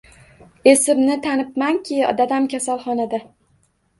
Esimni tanibmanki, dadam kasalxonada.